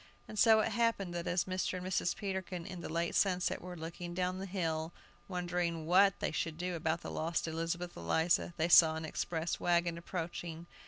And so it happened that as Mr. and Mrs. Peterkin in the late sunset were looking down the hill, wondering what they should do about the lost Elizabeth Eliza, they saw an express wagon approaching.